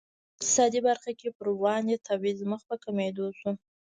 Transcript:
په اقتصادي برخه کې پر وړاندې تبعیض مخ په کمېدو شو.